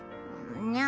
にゃ。